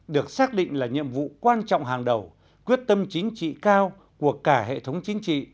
được xác định là nhiệm vụ quan trọng hàng đầu quyết tâm chính trị cao của cả hệ thống chính trị